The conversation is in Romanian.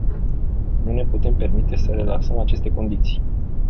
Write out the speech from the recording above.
Nu ne putem permite să relaxăm aceste condiții.